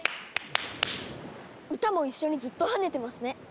歌も一緒にずっと跳ねてますね！